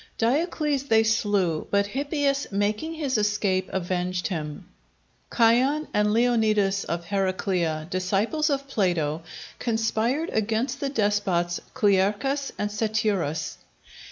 Diocles they slew; but Hippias, making his escape, avenged him. Chion and Leonidas of Heraclea, disciples of Plato, conspired against the despots Clearchus and Satirus.